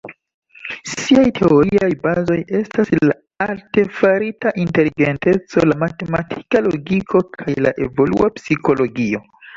Siaj teoriaj bazoj estas la artefarita inteligenteco, la matematika logiko kaj la evolua psikologio.